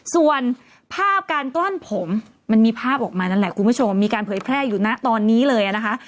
ส่วนภาพการกล้อนผมมันมีภาพออกมานั่นแหละคุณผู้ชมมีการเผยแพร่อยู่นะตอนนี้เลยนะคะ